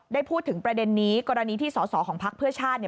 ได้พูดถึงประเด็นนี้กรณีที่สอสอของพักเพื่อชาติ